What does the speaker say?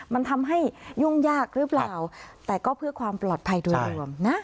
มันทำให้ยุ่งยากหรือเปล่าแต่ก็เพื่อความปลอดภัยโดยรวมนะ